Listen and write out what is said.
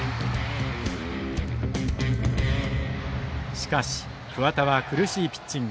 しかし、桑田は苦しいピッチング。